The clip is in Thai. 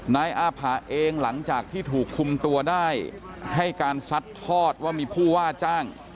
นายอาผะเองหลังจากที่ถูกคุมตัวได้ให้การซัดทอดว่ามีผู้ว่าจ้าง